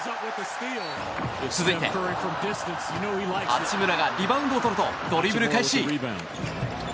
続いて、八村がリバウンドをとるとドリブル開始。